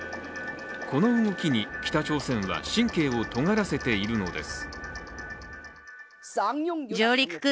この動きに北朝鮮は神経をとがらせているのです。